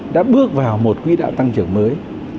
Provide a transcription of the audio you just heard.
đã bước vào một quỹ đạo tăng trưởng mới